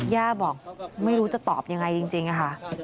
ย่าบอกไม่รู้จะตอบยังไงจริงค่ะ